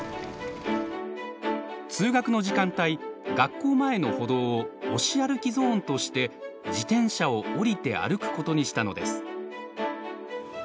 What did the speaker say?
通学の時間帯学校前の歩道を押し歩きゾーンとして自転車を降りて歩くことにしたのです。